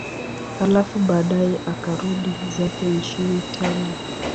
Halafu baadaye akarudi zake nchini Italia.